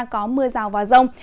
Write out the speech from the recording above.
có mưa rào và rông